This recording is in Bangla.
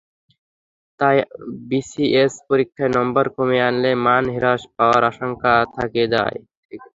তাই বিসিএস পরীক্ষার নম্বর কমিয়ে আনলে মান হ্রাস পাওয়ার আশঙ্কা থেকে যায়।